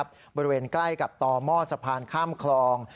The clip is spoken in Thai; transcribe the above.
บริเวณใกล้กับต่อหม้อสะพานข้ามคลอง